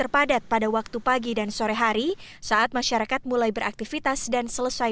padat pada waktu pagi dan sore hari saat masyarakat mulai beraktivitas dan selesai